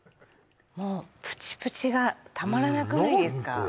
もうプチプチがたまらなくないですか？